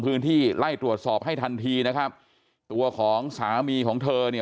ไล่ตรวจสอบให้ทันทีนะครับตัวของสามีของเธอเนี่ย